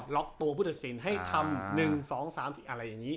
ล็อกตัวผู้ตัดสินให้ทำหนึ่งสองสามสี่อะไรอย่างนี้